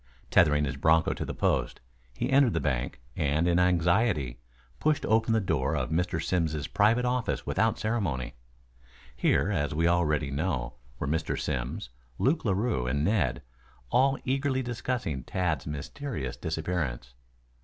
Tethering his broncho to the post, he entered the bank, and in his anxiety, pushed open the door of Mr. Simms' private office without ceremony. Here, as we already know, were Mr. Simms, Luke Larue and Ned, all eagerly discussing Tad's mysterious disappearance.